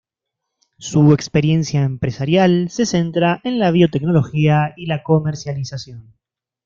Su experiencia empresarial se centra en la biotecnología y la comercialización.